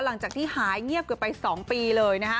หลังจากที่หายเงียบเกือบไป๒ปีเลยนะคะ